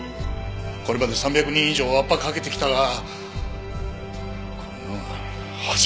これまで３００人以上ワッパかけてきたがこんなのは初めてだ。